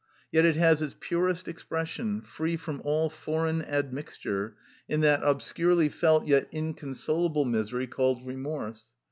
Yet it has its purest expression, free from all foreign admixture, in that obscurely felt yet inconsolable misery called remorse.